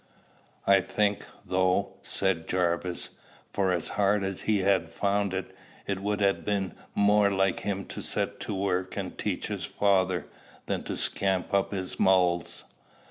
"I think, though," said Jarvis, "for as hard as he'd ha' found it, it would ha' been more like him to set to work and teach his father, than to scamp up his mulls."